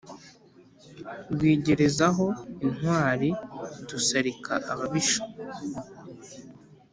Rwigerezaho intwali dusalika ababisha,